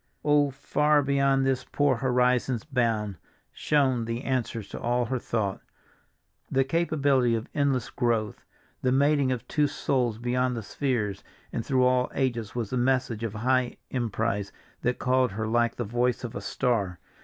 "Oh, far beyond this poor horizon's bound" shone the answer to all her thought. The capability of endless growth, the mating of two souls beyond the spheres and through all ages was the message of high emprise that called her like the voice of a star.